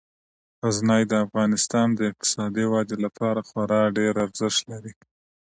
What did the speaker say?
غزني د افغانستان د اقتصادي ودې لپاره خورا ډیر ارزښت لري.